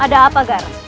ada apa gar